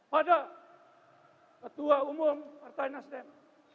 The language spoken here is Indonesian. pada ketua umum partai nasdem